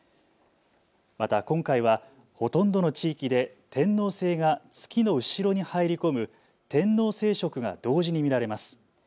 また今回はほとんどの地域で天王星が月の後ろに入り込む天王星食が同時に見られます。